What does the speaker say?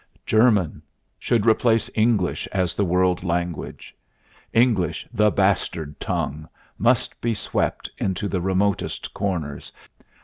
"German should replace English as the world language. English, the bastard tongue ... must be swept into the remotest corners